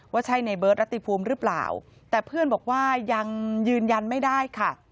ว่าใช่ในเบิร์ตรติภูมิหรือเปล่าแต่เพื่อนบอกว่ายังยืนยันไม่ได้ค่ะ